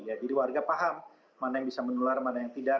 jadi warga paham mana yang bisa menular mana yang tidak